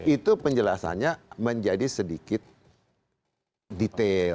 itu penjelasannya menjadi sedikit detail